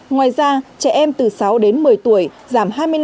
ngoài ra trẻ em từ sáu đến một mươi tuổi